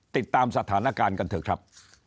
ติดตามสถานการณ์กันเถอะครับ